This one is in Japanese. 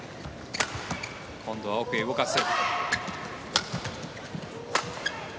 今度は奥へ動かす。